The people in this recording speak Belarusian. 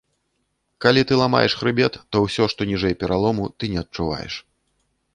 Калі ты ламаеш хрыбет, то ўсё, што ніжэй пералому, ты не адчуваеш.